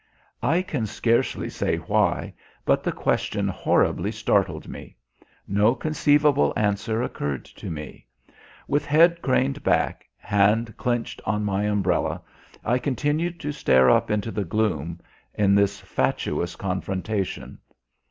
I can scarcely say why, but the question horribly startled me. No conceivable answer occurred to me. With head craned back, hand clenched on my umbrella, I continued to stare up into the gloom, in this fatuous confrontation.